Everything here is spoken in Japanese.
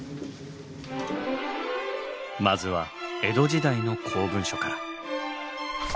まずは江戸時代の公文書から。